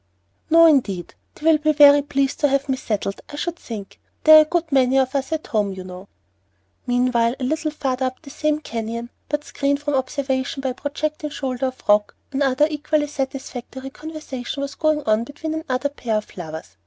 "No, indeed; they'll be very pleased to have me settled, I should think. There are a good many of us at home, you know." Meanwhile, a little farther up the same canyon, but screened from observation by a projecting shoulder of rock, another equally satisfactory conversation was going on between another pair of lovers.